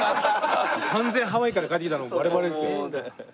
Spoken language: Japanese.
完全にハワイから帰ってきたのバレバレですよ。